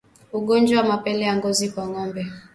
Ugonjwa wa mapele ya ngozi kwa ngombe